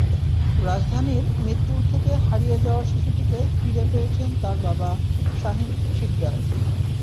রাজধানীর মিরপুর থেকে হারিয়ে যাওয়া শিশুটিকে ফিরে পেয়েছেন তার বাবা শাহীন সিকদার।